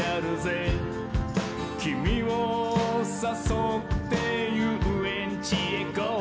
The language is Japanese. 「キミをさそってゆうえんちへゴ」